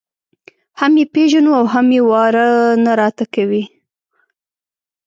هم یې پېژنو او هم واره نه راته کوي.